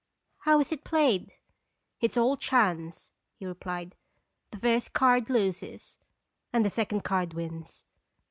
How is it played?" "It is all chance," he replied; "the first card loses, and the second card wins."